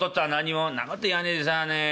「そんなこと言わねえでさねえ。